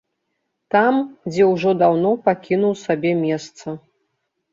Там, дзе ўжо даўно пакінуў сабе месца.